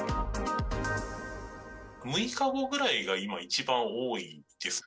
６日後ぐらいが今、一番多いです。